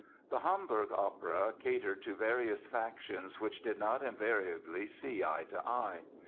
The Hamburg opera catered to various factions which did not invariably see eye to eye.